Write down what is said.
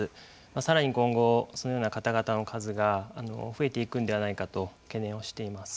さらに今後そのような方々の数が今後増えていくのではないかと懸念をしています。